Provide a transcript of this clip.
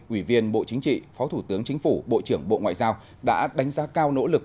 ủy viên bộ chính trị phó thủ tướng chính phủ bộ trưởng bộ ngoại giao đã đánh giá cao nỗ lực